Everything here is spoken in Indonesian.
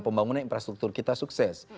pembangunan infrastruktur kita sukses